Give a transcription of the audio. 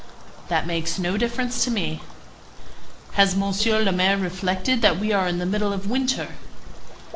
"That makes no difference to me." "Has Monsieur le Maire reflected that we are in the middle of winter?"